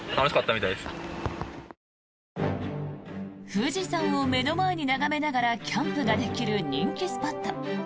富士山を目の前に眺めながらキャンプができる人気スポット。